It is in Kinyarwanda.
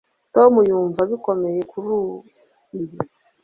tom yumva bikomeye kuri ibi